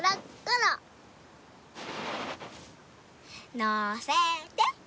のせて。